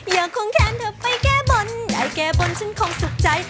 ยังคงแทนเธอไปแก้บนได้แก้บนฉันคงสุขใจ